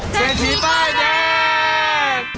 เซตีป้ายดัง